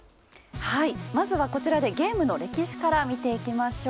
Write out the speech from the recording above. まずは、こちらでゲームの歴史から見ていきましょう。